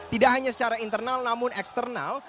tidak hanya secara internal namun eksternal